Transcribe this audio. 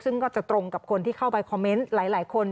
ซึ่งก็จะตรงกับคนที่เข้าไปคอมเมนต์หลายคน